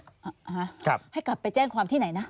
ครับสารบัติสองคนนี้ให้กลับไปแจ้งความที่ไหนนะ